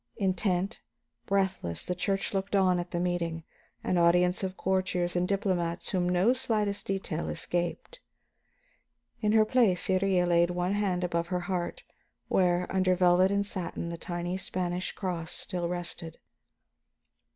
Intent, breathless, the church looked on at the meeting, an audience of courtiers and diplomats whom no slightest detail escaped. In her place Iría laid one hand above her heart where, under velvet and satin, the tiny Spanish cross still rested.